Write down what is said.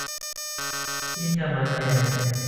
ที่จะมาแทน